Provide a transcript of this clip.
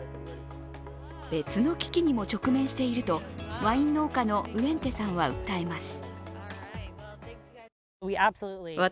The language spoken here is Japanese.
別の危機にも直面しているとワイン農家のウェンテさんは訴えます。